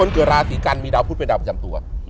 เกิดราศีกันมีดาวพุทธเป็นดาวประจำตัว